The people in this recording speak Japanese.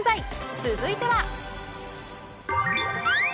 続いては。